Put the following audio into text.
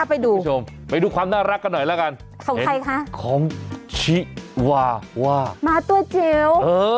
ไปดูไปดูความน่ารักกันหน่อยละกันของชิวาว่ามาตัวเจ๋ว